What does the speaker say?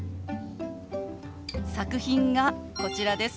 作品がこちらです。